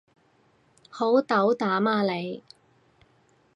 好斗膽啊你